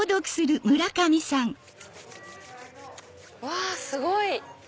うわすごい！